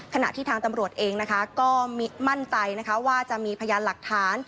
ขณะที่ทางตำรวจเองนะคะก็มั่นใจนะคะว่าจะมีพยานหลักฐาน